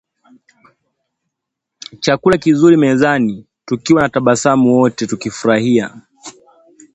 chakula kizuri mezani tukiwa na tabasamu wote tukifurahia